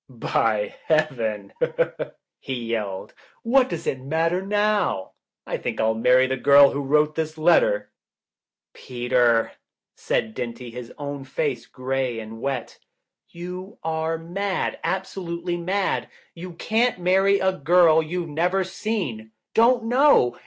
"By heaven" he yelled, "what does it mat ter now? I think I'll marry the girl who wrote this letter." "Peter," said Dinty, his own face gray and wet, "you are mad, absolutely mad. You can't marry a girl you've never seen — don't know.